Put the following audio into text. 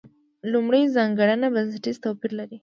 لومړۍ ځانګړنه بنسټیز توپیر لري.